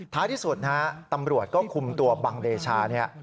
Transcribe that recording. ที่สุดนะฮะตำรวจก็คุมตัวบังเดชาเนี่ย